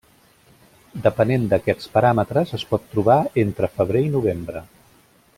Depenent d'aquests paràmetres es pot trobar entre febrer i novembre.